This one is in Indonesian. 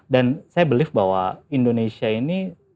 dan saya believe bahwa indonesia ini